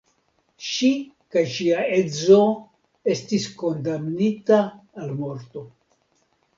Ŝi kaj ŝia edzo estis kondamnita al morto.